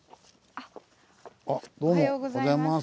あっどうもおはようございます。